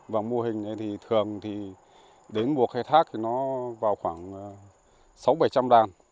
và mô hình này thì thường thì đến buộc khai thác thì nó vào khoảng sáu bảy trăm linh đàn